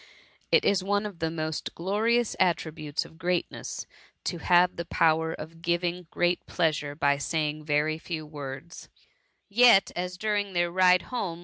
It is one of the most glorious attributes of greatness^ to have the power of giving great pleasure by saying very few words; yet, as during their ride home.